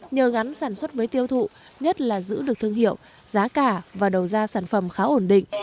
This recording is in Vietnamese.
nhờ gắn sản xuất với tiêu thụ nhất là giữ được thương hiệu giá cả và đầu ra sản phẩm khá ổn định